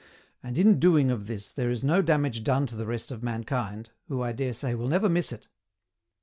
And in doing of this there is no damage done to the rest of mankind, who, I dare say, will never miss it.